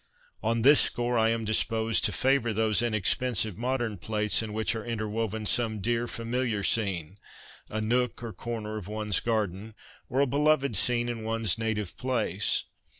On this score I am disposed to favour those inexpensive modern plates in which are inter woven some dear, familiar scene — a nook or corner of one's garden, or a beloved scene in one's native place.